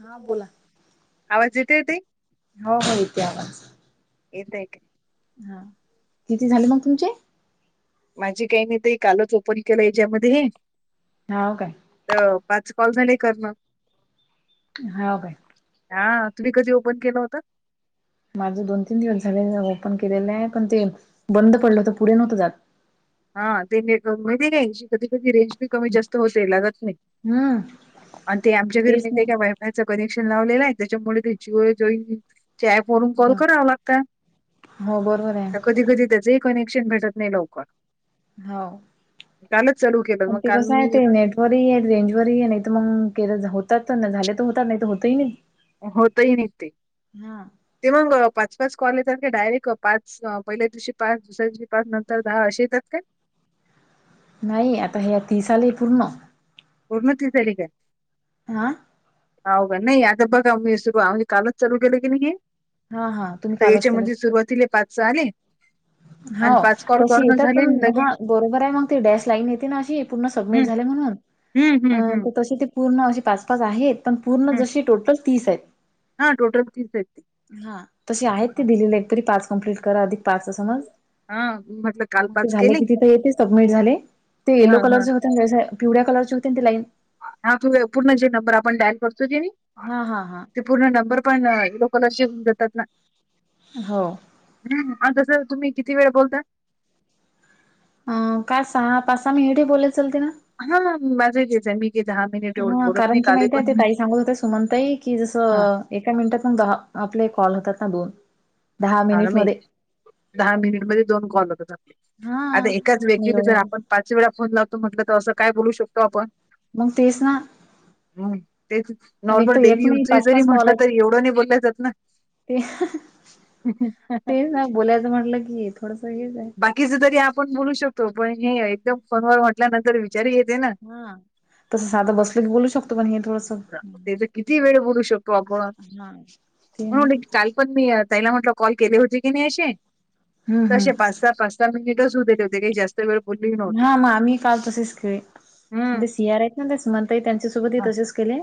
हा बोला आवाज येतेय ताई. हो हो येते आवाज. येते येते हा किती झाले मंग तुमचे? माझे काही नाही ते हे कालच ओपन केलं हेच्यामध्ये हे हा हो काय? तर पाच कॉल झाले करन. हा हो काय? हा तुम्ही कधी ओपन केलं होत? माझं दोन तीन दिवस झाले मी ओपन केलेलं नाही पण ते बंद पडलं होतं पुढे नव्हतं जात. हा ते नेटवर्क माहितीे आहे काय कधी कधी रेंज बी कमी जास्त होते लागतच नाही. हम्म आणि ते आमच्या घरी तेच माहिती ना. आहे काय वाई ह्याच कनेक्शन लावलेलं आहे त्याच्यामुळे ते जिओ जॉईन त्या अँपवरून कॉल करावा लागता हो बरोबर आहे. तर कधी कधी त्याचे हे कनेक्शन भेटत नाही लवकर हां कालच चालू केलं मग काल मी वर रेंज वर ही नाही तर मंग केलं होतात. झाले तर होतात नाही होतही नाही. होत ते ही हा. निघते मंग पाच पाच कॉल येतात की डायरेक्ट पाच च पहिल्या दिवशी पाच, दुसऱ्या दिवशी पाच नंतर दहा असे येतात काय? नाही आता तीस आले पूर्ण. पूर्ण तीस झाली काय? हा.. औ गं नाही आहे आता बघा मी सुरू आम्ही कालच चालू केलं की नाय हे हा हा तुम्ही तर कालच केलं. हेच्यामध्ये सुरवातीला पाच सहा आले. हो.. आणि कॉल तशी करणं येतात झाले आणि पण लगे हा बरोबर आहे मंग ती डॅश लाईन येते ना अशी पूर्ण सबमिट झाले म्हणून ह्म अ, ह्म ह्म्म तर तशी ती पूर्ण अशे पाच पाच आहेत. पण पूर्ण जशी टोटल तीस आहेत. हा टोटल तीस आहेत ते हा तशी आहेत हां, ते दिलेली एकतरी पाच कम्प्लीट करा अधिक पाचचा समज हा मी म्हटलं. काल ते झाले केले. किती ते येत ते सबमिट झाले ते येलो हां, हां. कलरचे होते ना हे ज्या पिवळ्या कलरचे होते न ते लाईन आपण अ पूर्ण जे नंबर आपण डायल करतो कनी हा हा हा.. ते पूर्ण नंबर पणोकॉलरशिप देतात ना. हो. हम तसं तुम्ही किती वेळ बोलता. हा का सहा पाच सहा मिनिटे बोले चालते ना हा माझा घेतच आहे मी जे दहा मिनिट एवढून हां, बोलत नाही कारण की काल हे माहिती पण आहे मी ते म्हणताय की जस हां, एका मिनिटात मग दहा आपले कॉल होतात ना दोन. ह म दहा मिनिटमध्ये दोन कॉल होतात आपले हा आता एकाच मी वेगळीने जर एवढं आपण. पाच वेळा फोन लावतो म्हटलं तर असं काय बोलू शकतो आपण. मग तेच ना. हम तेच आणि एक नॉर्मल तर एक डेली नाही य पाच जरी पाच कॉल म्हटलं आहेत तरी एवढं नाही बोललाय जात ना. ते तेच ना बोलायचं म्हटलं की थोडस हेच आहे. बाकीच तरी आपण बोलू शकतो पण हे एकदम फोनवर म्हटल्यानंतर विचारी येते ना. हा तसं साधं बसलो की बोलू शकतो पण हे थोडंसं ते तर किती वेळ बोलू शकतो आपण. हा ते ना म्हणून काल पण मी ताई ला म्हटलं कॉल केले होती की नाही अेशे हम्म तसे हम्म पास. त पाच स मिनिटच हो ते होते काही जास्त. त्यागळे पोलली. हा मग आम्ही काल तसेच केले हम्म ते सियार आहेत ना ते सुमताई त्यांच्यासोबतही तसेच केले.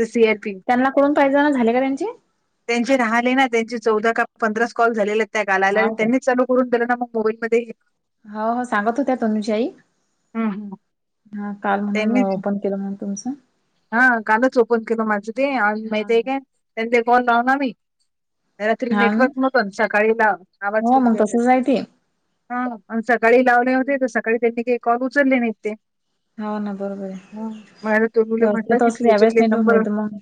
The C R P. त्यांना कून पाहिजे ना झाले का त्यांची. त्यांचे राहिले ना त्यांचे चौदा का पंधरा कॉल झालेले त्या गालाला हाव का त्यांनी चालू. होऊन दिला ना मग मोबाईलमध्ये. हो हो सांगत होत्या तनुजाई. हम् हम्. हा काल म्हणून ओपन केलं म्ह तुमचं? हा कालच ओपन केलं माझं ते आणि हा माहिती आहे का त्यां ते कॉल लाव ना मी. रात्री हा नेटवर्क हो मून सकाळीला आवाज मग तसच आहे ते हा आण सकाळी लावले होते तर सकाळी त्यांनी काही कॉल उचलले नाहीत ते. हो ना बरोबर आहे. ते मूले म्हट असलं तर की असलं तू यावेळेस हच्यातले नेटवर्क नाही नंबर तर मग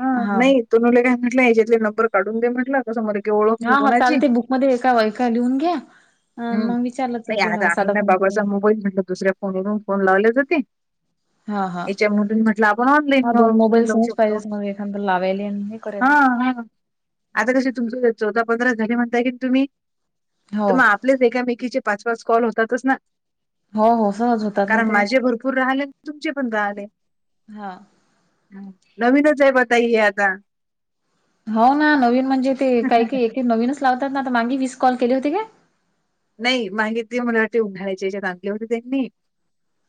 ह हा नाही. तो मुले काय म्हटला याच्यातले नंबर काढून दे म्हटलं. कसा मध्ये तेवढं. हा हा चालते बुकमध्येध्ये एका एका लिहून घ्या. हम् मग विचारलं नाही चालते आता आहे साधा ना फोन बाबाचा करून मोबाईल म्हटलं दुसऱ्या फोनवरून फोन लावले जाते. हा हा याच्यामून म्हटलं आपण हा ऑनलाईन दोन फोन मोबाईल लावू सहज शकतो. पाहिजेच मग एखादा लावायले आणि हे हा करायले हा. आता कसे तुमच चौदा पंधरा झाले म्हणताय की तुम्ही हो तू आ पल्या एकामेकीचे पाच पाच कॉल होतातच ना. हो हो सहज होतात नाही कारण तर माझे काय भरपूर राहाले तुमचे? पण गार आहे हा नवीन जय बताये आता हो ना नवीन म्हणजे ते काही काही एक नवीनच लावतात ना मागे विीस कॉल केले होते का? नाही मागित तली मला वाट उन्हााळ्याची याच्या दांगलीवरती त्यांनी.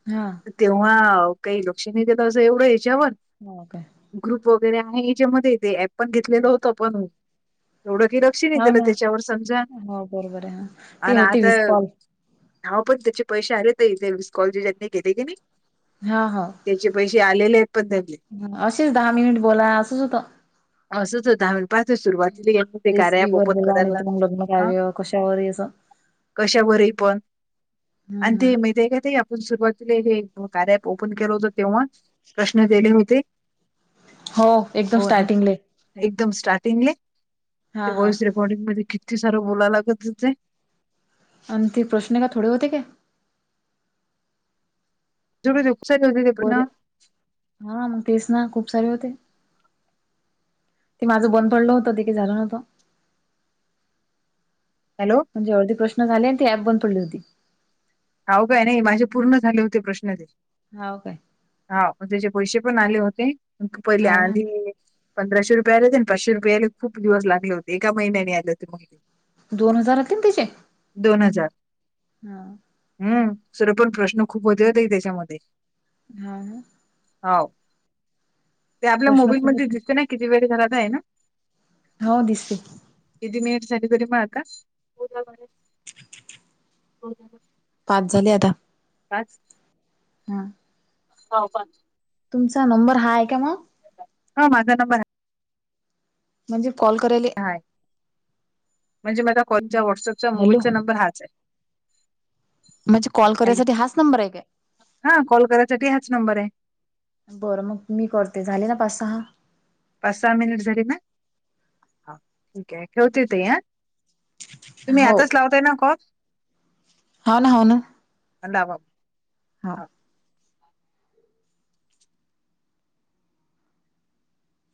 हा. तेव्हा काही लक्ष नेते तर असं एवढं याच्यावर. मह काय? ग्रुप वगैरे आहे या्याच्यामध्ये ये ऍप पण घेतलेलं होत पण एवढं केलं. हा ना हो बरोबर आहे हा. ते आणि होते आता वीस कॉल हव पण त्याचे पैसे आलेत ते कॉलेज जनी गेले की नाही. हा हा त्याचे पैसे आलेले आहेत पण त्यांनी असेच दहा मिनिट बोला असंच होत. असंच होता पाहत सुरुवातीला ते कार्य ॲप ओपन करायला. खशावर येस. कशावररही पण हम्म आणि ते हम्म माती आहे का ते आ पण सुरुवातीला हे कार्यप ओपन केलं होत तेव्हा प्रश्न दिले होते. हो एकदम हो, अन स्टार्टिंगले. एकदम स्टार्टिंगले हा हा वॉइस रेकॉर्डिंग मध्ये किती सारं बोलाव लागत जे आणि ते प्रश्न आहे का थोडे होते काय? जरू दुसा बरे [unintelligible] हा मग तेच ना खूप सारे होते ते माझं बंद पडलं होत तेे काय झालं नव्हतं हॅलो जेवढे प्रश्न झाले ते ऍप बंद पडली होती. हव काय नाही माझे पूर्ण झाले होते प्रश्न ते हाव काय? हा त्याचे पैसे पण आले होते पहिले हा हा. आधी पंधराशे रुपये आले होते आणि पाचशे रुपये यायला खूप दिवस लागले होते एका महिन्याने आले होते. दोन हजार होतील तीचे दोन हजार हा हम्म सर पण प्रश्न खूप होते हा ताई त्याच्यामध्ये. [unintelligible] हो ते आपल्या प्रश्न मोबाईल खूप मध्ये होते दिसते ना किती वेळ झाला तर आहे ना हो दिसलेत की मी सारी साठी मारल का [inaudible] हो पाच झाले आता पाच हंम सावकाश तुमचा नंबर हा आहे का मग? हो माझा नंबर आहे म्हणजे कॉल करायले हाय म्हणजे माझं कॉलच्या व्हॉटसअपच्या, हॅलो मोबाईलचा नंबर हाच आहे. म्हणजे कॉल हॅलो करायसाठी हाच नंबर आहे काय? हा कॉल करायसाठी हाच नंबर आहे. बरं मग मी करते झाले ना पाच सहा पाच सहा मिनिट झाले ना ठीक आहे ठेवते ताई. तुम्ही हो यातच लावताय ना काॅल हा ना हो ना अडाबा [unintelligible] हा